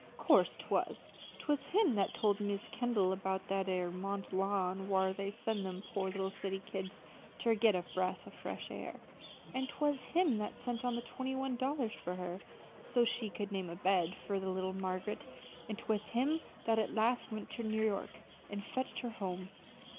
'Course 'twas. 'Twas him that told Mis' Kendall 'bout that 'ere Mont Lawn whar they sends them poor little city kids ter get a breath o' fresh air; an' 'twas him that sent on the twenty one dollars for her, so's she could name a bed fur little Margaret; an' 'twas him that at last went ter New York an' fetched her home.